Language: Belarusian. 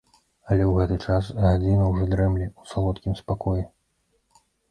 Але ў гэты час гадзіна ўжо дрэмле ў салодкім спакоі.